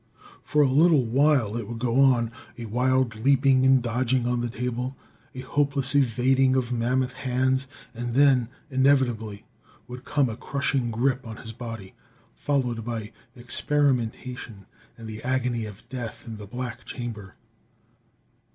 For a little while it would go on a wild leaping and dodging on the table, a hopeless evading of mammoth hands ... and then, inevitably, would come a crushing grip on his body, followed by experimentation and the agony of death in the black chamber.